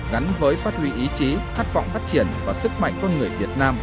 gắn với phát huy ý chí thát vọng phát triển và sức mạnh công người việt nam